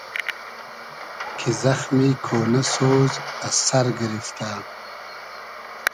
کی زئخمی کۉنۂ سۉز از سئر گیریفتۂ